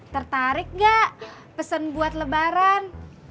tertarik nggak pesan buat lebaran